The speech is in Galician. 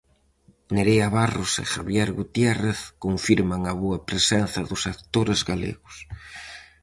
Nerea Barros e Javier Gutiérrez confirman a boa presenza dos actores galegos.